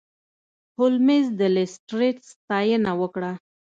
هولمز د لیسټرډ ستاینه وکړه.